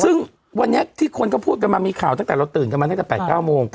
ซึ่งวันนี้ที่คนก็พูดกันมามีข่าวตั้งแต่เราตื่นกันมาตั้งแต่๘๙โมง